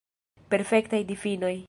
Perfektaj difinoj.